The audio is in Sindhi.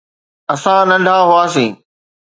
اسان ننڍا هئاسين.